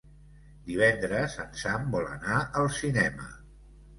Divendres en Sam vol anar al cinema.